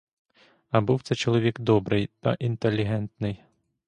А був це чоловік добрий та інтелігентний.